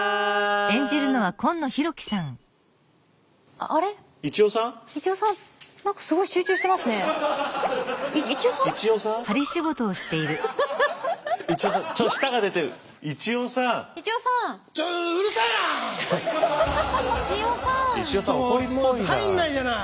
もう入んないじゃない。